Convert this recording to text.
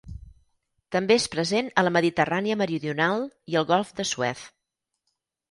També és present a la Mediterrània meridional i el golf de Suez.